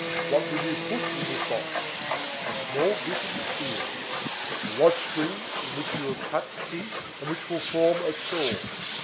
What will you put in this box? A small bit of steel. A watch spring, in which you will have cut teeth, and which will form a saw.